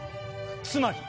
つまり？